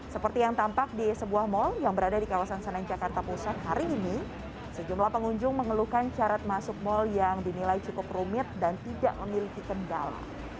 seperti yang tampak di sebuah mal yang berada di kawasan senen jakarta pusat hari ini sejumlah pengunjung mengeluhkan carat masuk mal yang dinilai cukup rumit dan tidak memiliki kendala